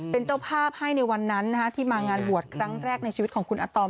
เป็นเจ้าภาพให้ในวันนั้นที่มางานบวชครั้งแรกในชีวิตของคุณอาตอม